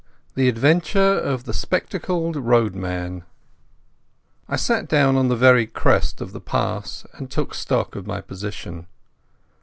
The Adventure of the Spectacled Roadman I sat down on the very crest of the pass and took stock of my position.